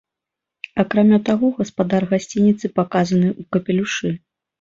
Акрамя таго, гаспадар гасцініцы паказаны ў капелюшы.